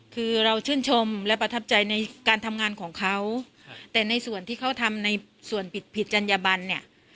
คือเราชื่นชมและประทับใจในการทำงานของเขาแต่ในส่วนที่เขาทำในส่วนผิดผิดจัญญบันเนี่ย